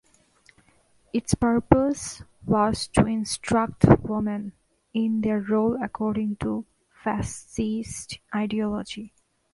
Its purpose was to instruct women in their role according to fascist ideology.